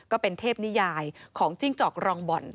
ก็เป็นเทพนิยายของจิ้งจอกรองบ่อน